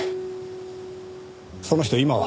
その人今は？